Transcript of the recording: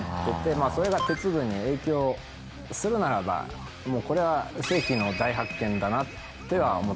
それが鉄分に影響するならばもうこれは世紀の大発見だなっては思ってましたね。